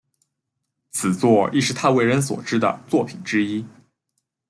此作亦是他为人所知的作品之一。